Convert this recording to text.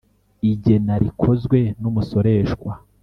Igena rikozwe n’ umusoreshwa